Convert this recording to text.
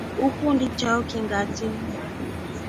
Ukundi chao kii ngachi.